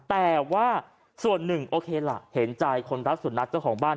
แต่ว่าส่วนหนึ่งโอเคล่ะเห็นใจคนรักสุนัขเจ้าของบ้าน